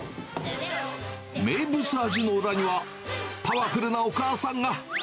名物味の裏には、パワフルなお母さんが。